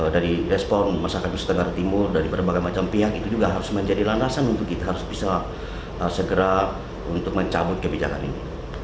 dari respon masyarakat nusa tenggara timur dari berbagai macam pihak itu juga harus menjadi landasan untuk kita harus bisa segera untuk mencabut kebijakan ini